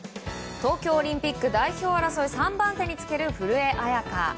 東京オリンピック代表争い３番手につける古江彩佳。